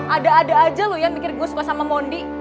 ada ada aja loh yang mikir gue suka sama mondi